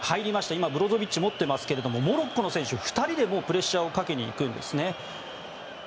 今、ブロゾビッチが持っていますがモロッコの選手が２人でプレッシャーをかけに行くんですね。